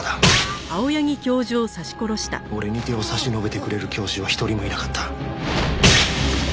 俺に手を差し伸べてくれる教師は一人もいなかった。